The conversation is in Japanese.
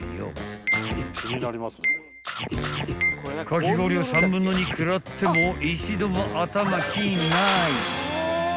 ［かき氷を３分の２食らっても一度も頭キーンない］